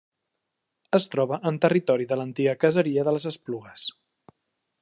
Es troba en territori de l'antiga caseria de les Esplugues.